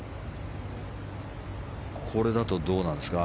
これだと、どうなんですか。